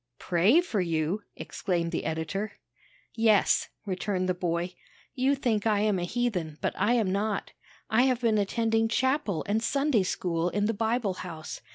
"Pray for you!" exclaimed the editor. "Yes," returned the boy. "You think I am a heathen, but I am not. I have been attending chapel and Sunday school in the Bible house.